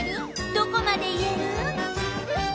どこまで言える？